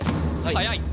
速い。